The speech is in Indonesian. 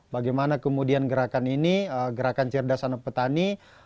bagaimana kemudian gerakan ini gerakan cerdasan petani